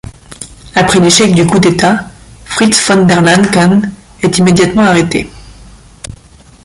Après l'échec du coup d’État, Fritz von der Lancken est immédiatement arrêté.